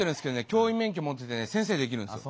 教員免許持っててね先生できるんですよ。